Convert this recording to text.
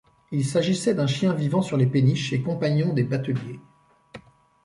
Il s'agissait d'un chien vivant sur les péniches et compagnons des bateliers.